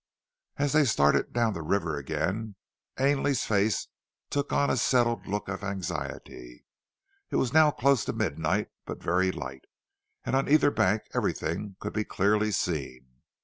As they started down river again, Ainley's face took on a settled look of anxiety. It was now close on midnight, but very light, and on either bank everything could be clearly seen.